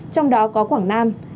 trong đó có quảng nam